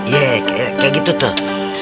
ye kayak gitu tuh